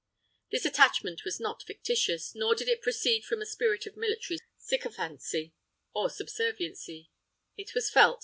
This attachment was not fictitious, nor did it proceed from a spirit of military sycophancy or subserviency; it was felt.